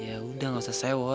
yaudah gak usah sewot